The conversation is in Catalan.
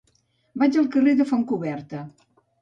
Vaig al carrer de Fontcoberta.